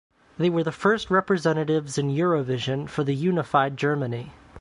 They were the first representatives in Eurovision for the unified Germany.